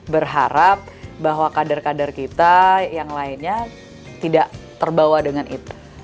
berharap bahwa kader kader kita yang lainnya tidak terbawa dengan itu